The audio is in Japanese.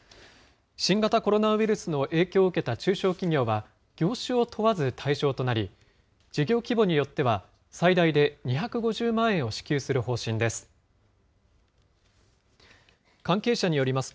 新型コロナウイルスの影響を受けた中小企業は、業種を問わず対象となり、事業規模によっては、最大で２５０万円を支給する方針です。